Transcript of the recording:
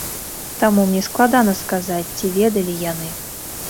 Таму мне складана сказаць, ці ведалі яны.